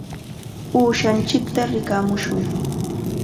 Uushanchikta rikamushun.